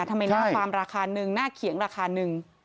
ทำไมหน้าฟาร์มราคาหนึ่งหน้าเขียงราคาหนึ่ง